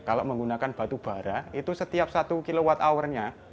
kalau menggunakan batu bara itu setiap satu kwh nya